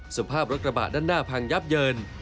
สภาพรถกระบะด้านหน้าพังยับเยิน